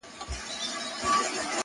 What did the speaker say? هره پوښتنه نوی امکان راپیدا کوي.